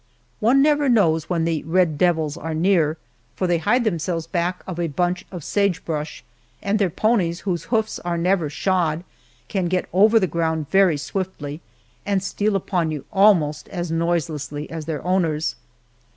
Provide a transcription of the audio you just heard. One never knows when the "red devils" are near, for they hide themselves back of a bunch of sage brush, and their ponies, whose hoofs are never shod, can get over the ground very swiftly and steal upon you almost as noiselessly as their owners.